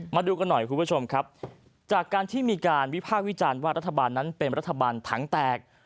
มาดูกันหน่อยคุณผู้ชมครับจากการที่มีการวิพากษ์วิจารณ์ว่ารัฐบาลนั้นเป็นรัฐบาลถังแตก